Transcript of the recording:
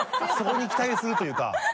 そこに期待するというか。